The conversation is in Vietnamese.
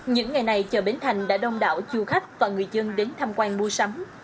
những ngày này chợ bến thành đã đông đảo du khách và người dân đến tham quan mua sắm